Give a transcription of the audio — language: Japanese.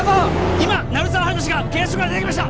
今鳴沢温人氏が警察署から出てきました！